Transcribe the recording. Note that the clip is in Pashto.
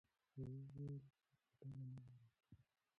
هغه وویل چې کوډله نه لري.